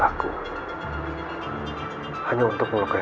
aku akan gempa